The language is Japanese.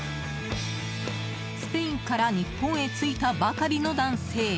スペインから日本へ着いたばかりの男性。